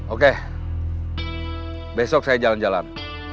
oke besok saya jalan jalan